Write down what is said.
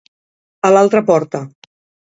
A l'altra porta.